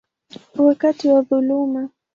wakati wa dhuluma.